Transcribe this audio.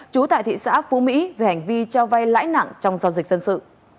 trú tại thị xã phú mỹ về hành vi cho vay lãi nặng trong giao dịch dân sự